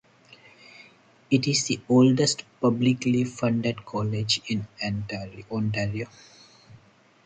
It is the oldest publicly funded college in Ontario.